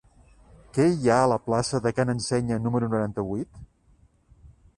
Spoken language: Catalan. Què hi ha a la plaça de Ca n'Ensenya número noranta-vuit?